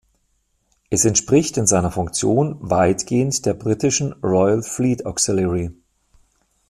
Es entspricht in seiner Funktion weitgehend der britischen Royal Fleet Auxiliary.